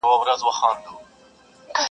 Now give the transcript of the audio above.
که تر شاتو هم خواږه وي ورک دي د مِنت خواړه سي,